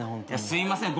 すいません。